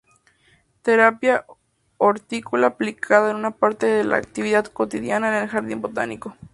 Terapia hortícola Aplicada es una parte de la actividad cotidiana en el jardín botánico.